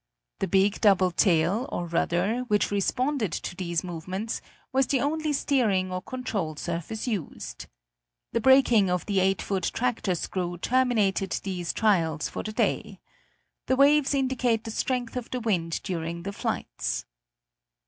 The big double tail, or rudder, which responded to these movements, was the only steering or control surface used. The breaking of the 8 foot tractor screw terminated these trials for the day. The waves indicate the strength of the wind during the flights.